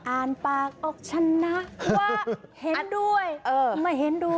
อ่านปากออกฉันนะว่าเห็นด้วยไม่เห็นด้วย